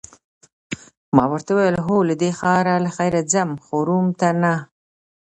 ما ورته وویل: هو، له دې ښاره له خیره ځم، خو روم ته نه.